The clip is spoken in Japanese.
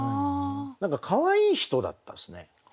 何かかわいい人だったですね。